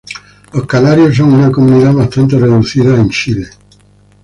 Los canarios son una comunidad bastante reducida en Chile.